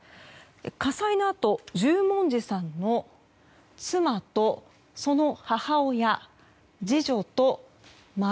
火災のあと十文字さんの妻とその母親次女と孫